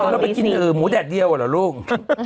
เราไปกินหมูแดดเดียวเหรอลูก